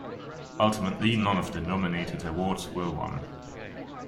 Ultimately, none of the nominated awards were won.